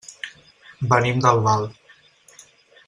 Venim d'Albal.